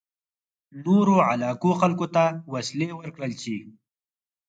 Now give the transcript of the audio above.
نورو علاقو خلکو ته وسلې ورکړل شي.